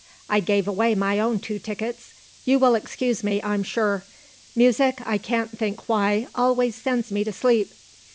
I gave away my own two tickets. You will excuse me, I'm sure. Music, I can't think why, always sends me to sleep.